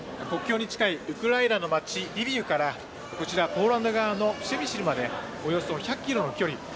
国境に近いウクライナの街リビウからこちらポーランド側のプシェミシルまでおよそ１００ｋｍの距離。